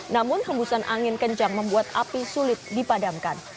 namun hembusan angin kencang membuat api sulit dipadamkan